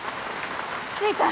着いた。